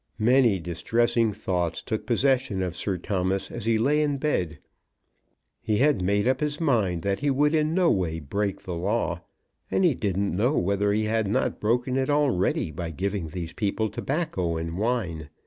Many distressing thoughts took possession of Sir Thomas as he lay in bed. He had made up his mind that he would in no way break the law, and he didn't know whether he had not broken it already by giving these people tobacco and wine.